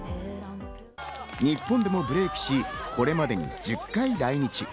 日本でもブレイクし、これまでに１０回来日。